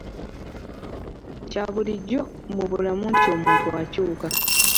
Kya bulijjo mu bulamu nti omuntu akyuka.